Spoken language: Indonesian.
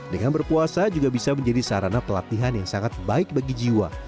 dengan berpuasa juga bisa menjadi sarana pelatihan yang sangat baik bagi jiwa